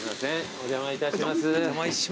お邪魔いたします。